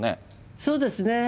そうですね。